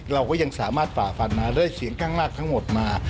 เราก็ยังสามารถฝ่าฟันมาได้เสียงข้างมากทั้งหมดมา